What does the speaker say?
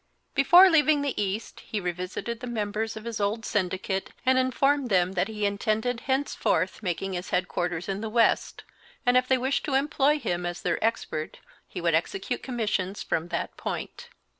Before leaving the East he revisited the members of his old syndicate and informed them that he intended henceforth making his head quarters in the West, and if they wished to employ him as their expert, he would execute commissions from that point.